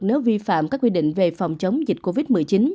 nếu vi phạm các quy định về phòng chống dịch covid một mươi chín